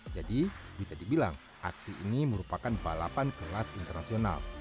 jadi bisa dibilang aksi ini merupakan balapan kelas internasional